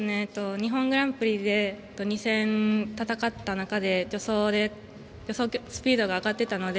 日本グランプリで２戦戦った中で助走スピードが上がっていたので。